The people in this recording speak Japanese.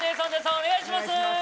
お願いします